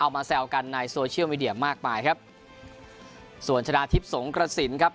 มาแซวกันในโซเชียลมีเดียมากมายครับส่วนชนะทิพย์สงกระสินครับ